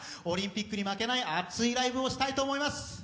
オリンピックに負けない熱いライブをしたいと思います。